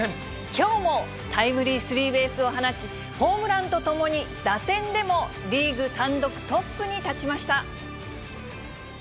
きょうもタイムリースリーベースを放ち、ホームランとともに打点でもリーグ単独トップに立ちました。